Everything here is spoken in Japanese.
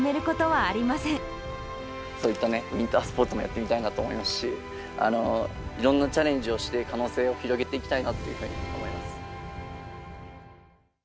そういったね、ウインタースポーツもやってみたいなと思いますし、いろんなチャレンジをして、可能性を広げていきたいなっていうふうに思います。